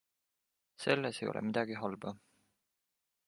Selles ei ole midagi halba.